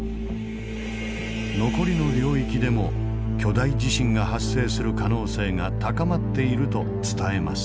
残りの領域でも巨大地震が発生する可能性が高まっていると伝えます。